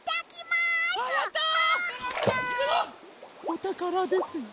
おたからですね。